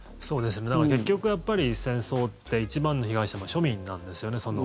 結局、やっぱり戦争って一番の被害者庶民なんですよね。